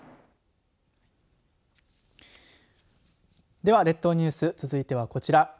では列島ニュース続いてはこちら。